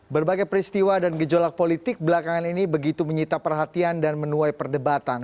berbagai peristiwa dan gejolak politik belakangan ini begitu menyita perhatian dan menuai perdebatan